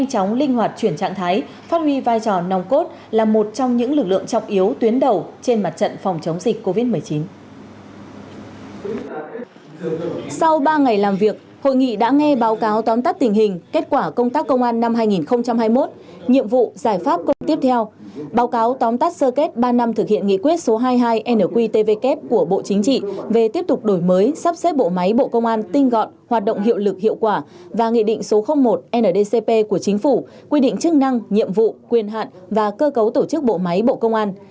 tiếp theo báo cáo tóm tắt sơ kết ba năm thực hiện nghị quyết số hai mươi hai nqtvk của bộ chính trị về tiếp tục đổi mới sắp xếp bộ máy bộ công an tinh gọn hoạt động hiệu lực hiệu quả và nghị định số một ndcp của chính phủ quy định chức năng nhiệm vụ quyền hạn và cơ cấu tổ chức bộ máy bộ công an